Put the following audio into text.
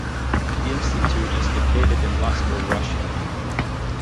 The institute is located in Moscow, Russia.